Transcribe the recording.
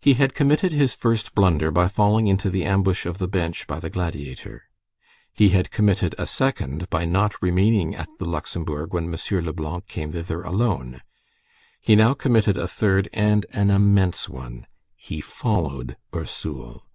He had committed his first blunder, by falling into the ambush of the bench by the Gladiator. He had committed a second, by not remaining at the Luxembourg when M. Leblanc came thither alone. He now committed a third, and an immense one. He followed "Ursule."